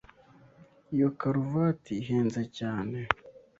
Iyo karuvati ihenze cyane.